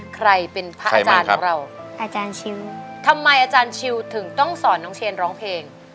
ใครเป็นพระอาจารย์ของเราอาจารย์ชิวทำไมอาจารย์ชิลถึงต้องสอนน้องเชนร้องเพลง